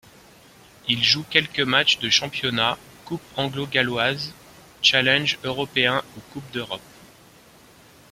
Il joue quelques matchs de championnat, coupe anglo-galloise, challenge européen ou coupe d'Europe.